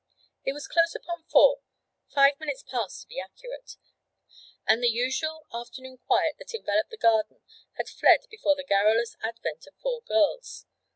It was close upon four five minutes past to be accurate and the usual afternoon quiet that enveloped the garden had fled before the garrulous advent of four girls.